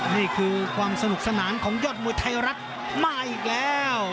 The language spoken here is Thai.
นี่คือความสนุกสนานของยอดมวยไทยรัฐมาอีกแล้ว